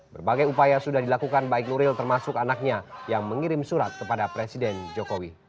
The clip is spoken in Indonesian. berbagai upaya sudah dilakukan baik nuril termasuk anaknya yang mengirim surat kepada presiden jokowi